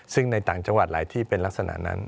ซึ่งในต่างจังหวัดหลายที่เป็นลักษณะนั้น